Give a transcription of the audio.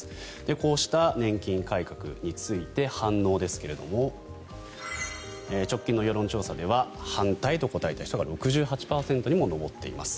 こうした年金改革について反応ですが直近の世論調査では反対と答えた人が６８％にも上っています。